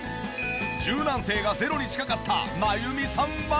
柔軟性がゼロに近かった真弓さんは。